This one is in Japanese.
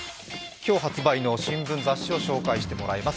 今日発売の新聞、雑誌を紹介してもらいます。